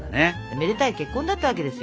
めでたい結婚だったわけですよ。